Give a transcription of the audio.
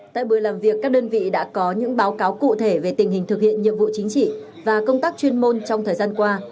tại buổi làm việc các đơn vị đã có những báo cáo cụ thể về tình hình thực hiện nhiệm vụ chính trị và công tác chuyên môn trong thời gian qua